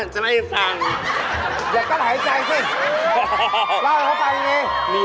จัดใจสิ